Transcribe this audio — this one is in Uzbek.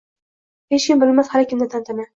Hech kim bilmas hali kimda tantana